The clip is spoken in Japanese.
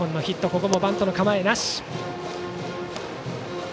ここもバントの構えなし。